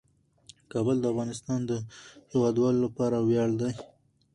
کابل د افغانستان د هیوادوالو لپاره ویاړ دی.